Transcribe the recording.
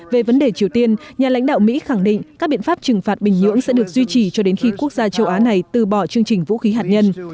về vấn đề triều tiên nhà lãnh đạo mỹ khẳng định các biện pháp trừng phạt bình nhưỡng sẽ được duy trì cho đến khi quốc gia châu á này từ bỏ chương trình vũ khí hạt nhân